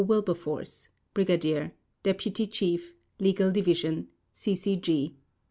WILBERFORCE Brigadier, Deputy Chief, Legal Division, C. C. G.